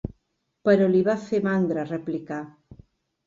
Però li va fer mandra replicar.